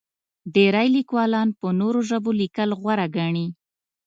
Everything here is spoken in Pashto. ډېری لیکوالان په نورو ژبو لیکل غوره ګڼي.